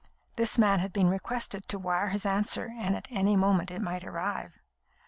This man had been requested to wire his answer, and at any moment it might arrive.